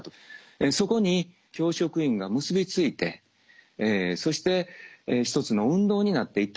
そこに教職員が結び付いてそして一つの運動になっていったと。